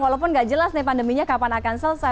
walaupun nggak jelas nih pandeminya kapan akan selesai